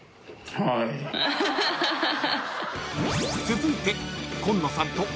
［続いて］